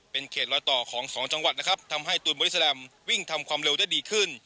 เป็นเขตรอยต่อของสองจังหวัดนะครับทำให้ตูนบริสแลมวิ่งทำความเร็วได้ดีขึ้น